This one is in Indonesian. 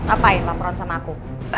apa laporan sama aku